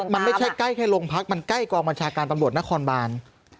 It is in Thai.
มันไม่ใช่ใกล้แค่โรงพักมันใกล้กองบัญชาการตำรวจนครบาน